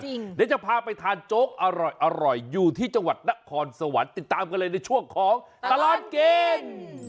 เดี๋ยวจะพาไปทานโจ๊กอร่อยอยู่ที่จังหวัดนครสวรรค์ติดตามกันเลยในช่วงของตลอดกิน